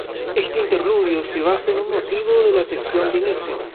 Este interludio se basa en un motivo de la sección de inicio.